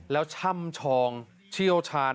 แล้วช่ำชองเชี่ยวชาญ